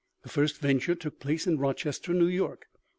The first venture took place in Rochester, New York.